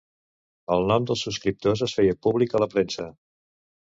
El nom dels subscriptors es feia públic a la premsa.